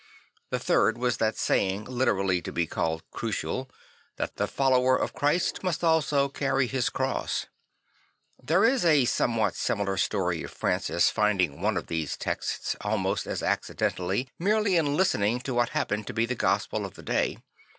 Francis the Builder 69 The third was that saying, literally to be called crucial, that the follo\ver of Christ must also carry his cross There is a somewhat similar story of Francis finding one of these texts, almost as accidentally, merely in listening to what happened to be the Gospel of the day.